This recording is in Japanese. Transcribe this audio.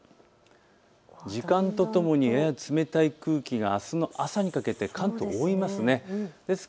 時間とともにやや冷たい空気があすの朝にかけて関東を覆います。